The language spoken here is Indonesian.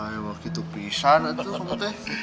wah emang begitu pisah